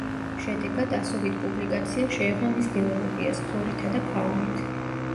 შედეგად, ასობით პუბლიკაცია შეეხო მის გეოლოგიას, ფლორითა და ფაუნით.